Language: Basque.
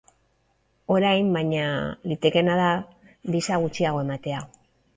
Orain, baina, litekeena da bisa gutxiago ematea.